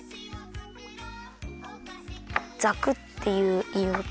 ざくっていういいおと。